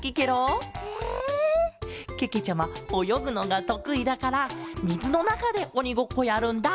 ちゃまおよぐのがとくいだからみずのなかでおにごっこやるんだ。